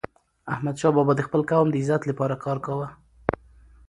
احمدشاه بابا د خپل قوم د عزت لپاره کار کاوه.